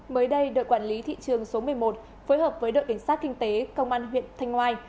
mới đây đội quản lý thị trường số một mươi một phối hợp với đội cảnh sát kinh tế công an huyện thanh ngoai